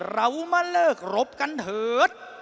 เรามาเลิกรบกันเถิด